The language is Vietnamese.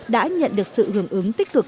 đã nhận được sự hưởng ứng tích cực